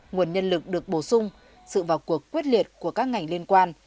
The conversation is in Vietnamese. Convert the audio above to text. nguồn nhân lực được bổ sung sự vào cuộc quyết liệt của các ngành liên quan